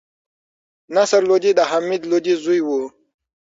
نصر لودي د حمید لودي زوی وو.